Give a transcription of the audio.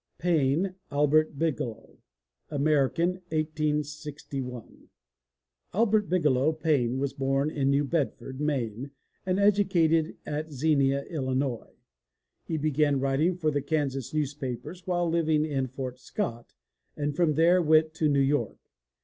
PAINE, ALBERT BIGELOW (American, 1861 ) Albert Bigelow Paine was born in New Bedford, Maine and educated at Xenia, Illinois. He began writing for the Kansas newspapers while living in Fort Scott, and from there went to New York.